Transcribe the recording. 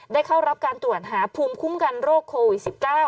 เข้ารับการตรวจหาภูมิคุ้มกันโรคโควิด๑๙